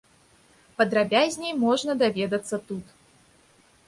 Падрабязней можна даведацца тут.